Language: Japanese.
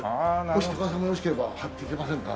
もし高田さんもよろしければ貼っていきませんか？